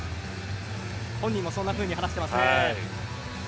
本人もそんなふうに話していますね。